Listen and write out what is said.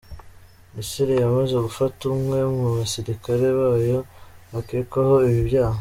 Misiri yamaze gufata umwe mu basirikare bayo bakekwaho ibi byaha.